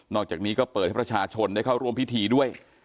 อกจากนี้ก็เปิดให้ประชาชนได้เข้าร่วมพิธีด้วย